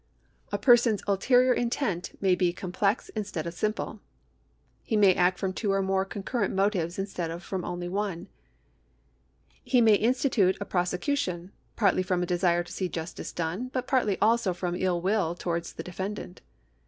A person's ulterior intent may be complex instead of simple ; he may act from two or more concurrent motives instead of from one only. He may institute a prosecution, partly from a desire to see justice done, but partly also from ill will towards the defendant.